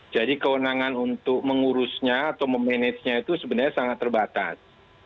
jadi kewenangan untuk mengurusnya atau memanagenya itu sebenarnya sangat terbatas